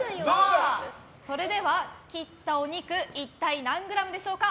それでは切ったお肉一体何グラムでしょうか。